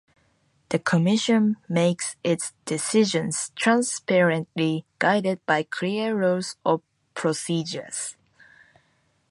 The Commission makes its decisions transparently, guided by clear rules of procedures.